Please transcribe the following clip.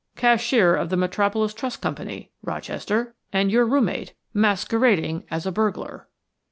"Cashier of the Metropolis Trust Company, Rochester, and your roommate, masquerading as a burglar."